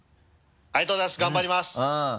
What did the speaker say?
ありがとうございます頑張りますうん。